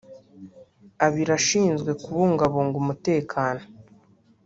Abiri ashinzwe kubungabunga umutekano